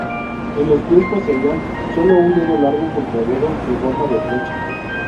En los pies poseían solo un dedo largo puntiagudo en forma de flecha.